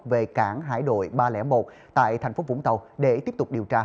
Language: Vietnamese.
về cảng hải đội ba trăm linh một tại thành phố vũng tàu để tiếp tục điều tra